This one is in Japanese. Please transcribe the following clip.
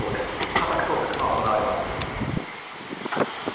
家宅捜索が行われます。